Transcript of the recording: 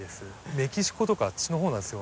メキシコとかあっちの方なんですよ。